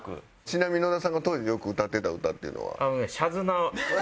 ちなみに野田さんが当時よく歌ってた歌っていうのは？